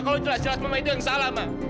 kalau jelas jelas mama itu yang salah ma